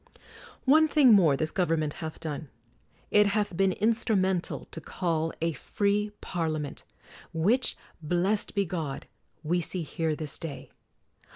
One thing more this government hath done: it hath been instrumental to call a free Parlia ment, which, blessed be God, we see here this day!